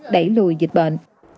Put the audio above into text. đẩy lùi dịch bệnh